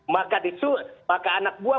maka anak buah